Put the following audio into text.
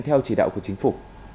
và chỉ đạo của chính phủ